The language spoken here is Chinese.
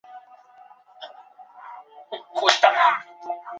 这家店的后面则是冲浪的博物馆和冲浪学校。